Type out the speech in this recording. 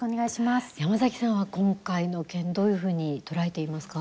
山崎さんは今回の件どういうふうに捉えていますか？